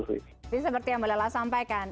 jadi seperti yang mbak lala sampaikan